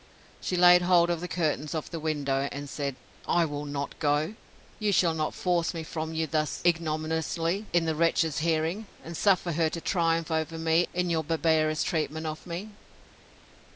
She laid hold of the curtains of the window, and said, I will not go! You shall not force me from you thus ignominiously in the wretch's hearing, and suffer her to triumph over me in your barbarous treatment of me.